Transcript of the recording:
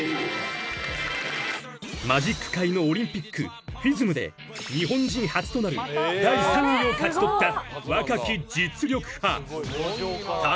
［マジック界のオリンピックＦＩＳＭで日本人初となる第３位を勝ち取った若き実力派］